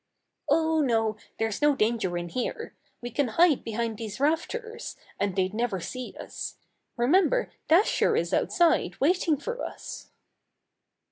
"Oh, no, there's no danger in here. We can hide behind these rafters, and they'd never see us. Remember Dasher is outside waiting for us."